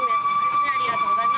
ありがとうございます。